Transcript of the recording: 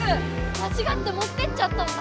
まちがってもってっちゃったんだ！